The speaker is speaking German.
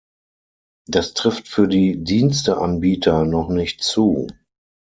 Das trifft für die Diensteanbieter noch nicht zu.